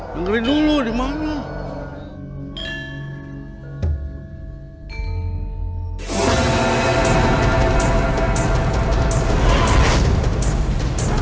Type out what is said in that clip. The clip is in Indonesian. dengarin dulu di mana